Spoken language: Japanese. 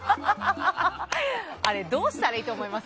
あれどうしたらいいと思います？